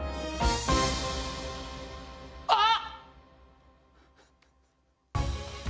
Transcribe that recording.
あっ！